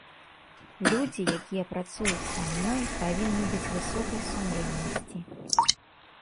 Людзі, якія працуюць са мной, павінны быць высокай сумленнасці.